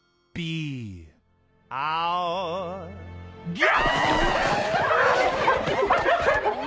ギャ！